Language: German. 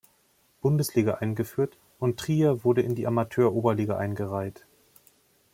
Bundesliga eingeführt und Trier wurde in die Amateur-Oberliga eingereiht.